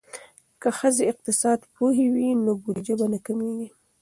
که ښځې اقتصاد پوهې وي نو بودیجه به نه کمیږي.